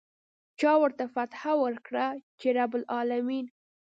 چا ورته فتحه ورکړه چې رب العلمين.